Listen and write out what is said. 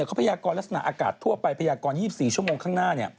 เขาพยากรลักษณะอากาศทั่วไปพยากร๒๔ชั่วโมงข้างหน้า